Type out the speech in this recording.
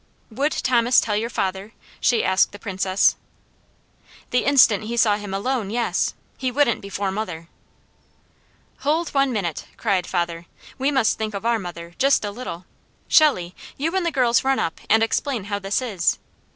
"Would Thomas tell your father?" she asked the Princess. "The instant he saw him alone, yes. He wouldn't before mother." "Hold one minute!" cried father. "We must think of our mother, just a little. Shelley, you and the girls run up and explain how this is.